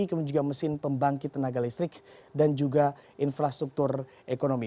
kemudian juga mesin pembangkit tenaga listrik dan juga infrastruktur ekonomi